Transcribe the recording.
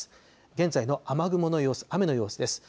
現在の雨雲の様子、雨の様子です。